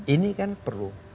ini kan perlu